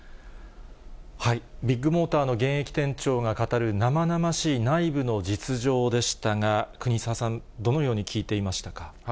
ビッグモーターの現役店長が語る生々しい内部の実情でしたが、国沢さん、どのように聞いていましたか。